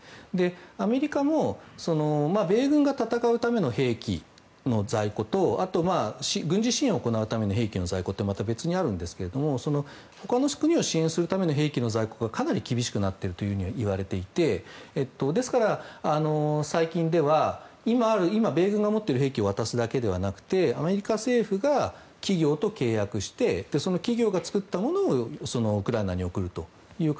アメリカも米軍が戦うための兵器の在庫と軍事支援を行うための兵器の在庫は他にありますが他の国を支援をするための在庫がかなり厳しくなっているといわれていてですから、最近では今米軍が持っている兵器を渡すだけではなくてアメリカ政府が企業と契約してその企業が作ったものをウクライナに送るという形。